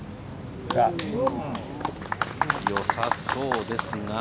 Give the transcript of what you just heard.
よさそうです。